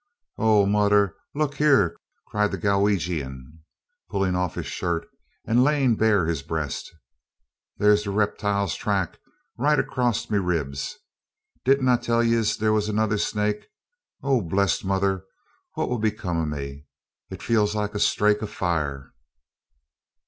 "Oh, murdher! Luk hare!" cried the Galwegian, pulling off his shirt and laying bare his breast. "Thare's the riptoile's track, right acrass over me ribs! Didn't I tell yez there was another snake? O blissed Mother, what will become av me? It feels like a strake av fire!"